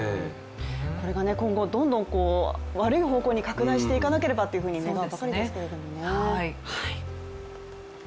これが今後、どんどん悪い方向に拡大していかなければと願うばかりですけどね。